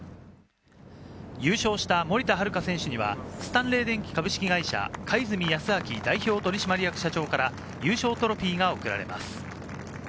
優勝した森田遥選手にはスタンレー電気株式会社・貝住泰昭代表取締役社長から優勝トロフィーが贈られます。